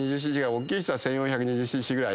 おっきい人は１，４２０ｃｃぐらい。